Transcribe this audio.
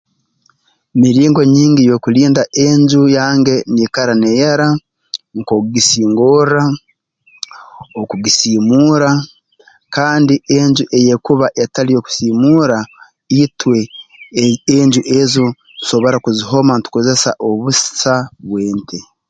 Miringo nyingi y'okulinda enju yange niikara neeyera nk'okugisingorra okugisiimuura kandi enju eyeekuba etali y'okusiimuura itwe eh enju ezo tusobora kuzihoma ntukozesa obusa bw'ente